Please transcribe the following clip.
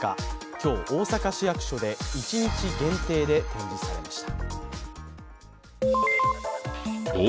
今日、大阪市役所で一日限定で展示されました。